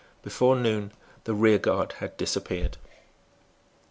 Before noon the rearguard had disappeared.